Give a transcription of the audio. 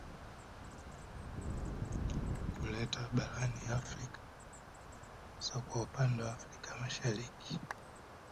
Kuleta barani Afrika hasa kwa upande wa Afrika Mashariki